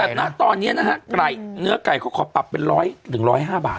แต่ประมาณตอนเนี้ยนะฮะไก่เนื้อไก่เขาขอปรับเป็นร้อยหนึ่งร้อยห้าบาท